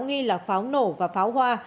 nghi là pháo nổ và pháo hoa